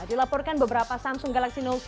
dilaporkan beberapa samsung galaxy note tujuh meledak